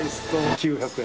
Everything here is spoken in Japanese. ９００円？